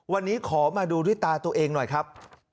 วันนี้ขอมาดูด้วยตาตัวเองหน่อยครับ